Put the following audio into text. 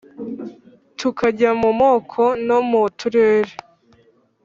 tukajya mu moko no mu turere,